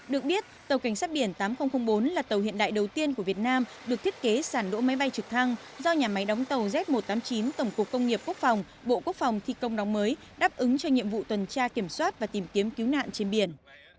được biết tàu cảnh sát biển tám nghìn bốn là tàu hiện đại đầu tiên của việt nam được thiết kế sản đỗ máy bay trực thăng do nhà máy đóng tàu z một trăm tám mươi chín tổng cục công nghiệp quốc phòng bộ quốc phòng thi công đóng mới đáp ứng cho nhiệm vụ tuần tra kiểm soát và tìm kiếm cứu nạn trên biển